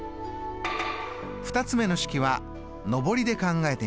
２つ目の式は上りで考えてみましょう。